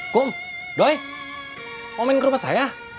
kum doi mau main ke rumah saya